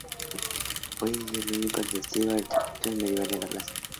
Hoy en día es el único testigo de arquitectura medieval de la plaza.